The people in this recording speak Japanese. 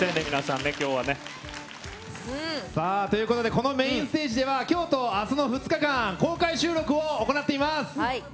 このメインステージでは今日と明日の２日間公開収録を行っています。